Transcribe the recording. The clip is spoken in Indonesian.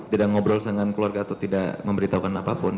tidak ngobrol dengan keluarga atau tidak memberitahukan apapun